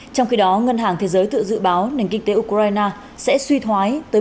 trong khi đó ngân hàng thế giới tự dự báo nền kinh tế ukraine sẽ suy thoái tới bốn mươi năm